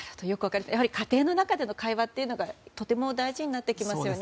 やはり家庭の中での会話がとても大事になってきますね。